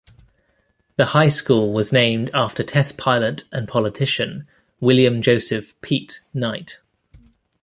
The high school was named after test pilot and politician William Joseph "Pete" Knight.